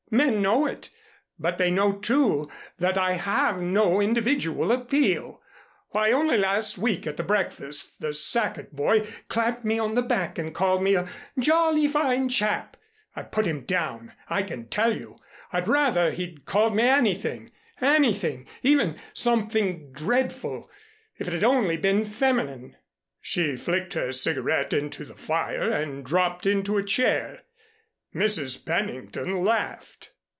Men know it, but they know, too, that I have no individual appeal. Why only last week at the Breakfast the Sackett boy clapped me on the back and called me 'a jolly fine chap.' I put him down, I can tell you. I'd rather he'd called me anything anything even something dreadful if it had only been feminine." She flicked her cigarette into the fire and dropped into a chair. Mrs. Pennington laughed.